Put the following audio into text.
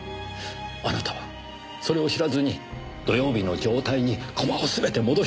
あなたはそれを知らずに土曜日の状態に駒を全て戻してしまったんですよ。